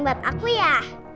buat aku ya